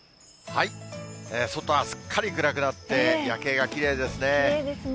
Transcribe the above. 外はすっかり暗くなって、夜景がきれいですね。